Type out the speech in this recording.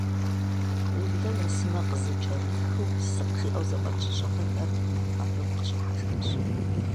Улэ, уэсымэ къызыкӏэрихыу, «сыкъ» жиӏэу зэфӏэт жьыщӏыгъэхэр унэ хуабэм къыщӏихьэжащ.